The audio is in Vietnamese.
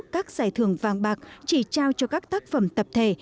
các giải thưởng vàng bạc chỉ trao cho các tác phẩm tập thể